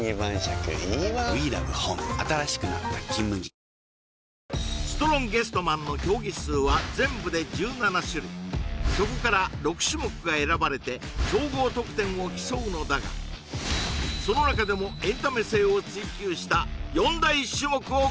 ハイ「タコハイ」ストロンゲストマンの競技数は全部で１７種類そこから６種目が選ばれて総合得点を競うのだがその中でもをご紹介